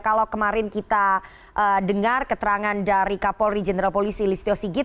kalau kemarin kita dengar keterangan dari kapolri jenderal polisi listio sigit